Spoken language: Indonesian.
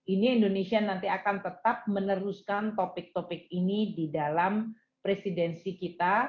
ini indonesia nanti akan tetap meneruskan topik topik ini di dalam presidensi kita